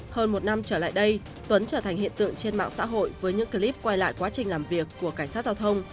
hơn một năm trở lại đây tuấn trở thành hiện tượng trên mạng xã hội với những clip quay lại quá trình làm việc của cảnh sát giao thông